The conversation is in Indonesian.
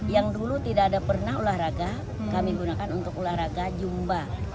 yang dulu tidak ada pernah olahraga kami gunakan untuk olahraga jumba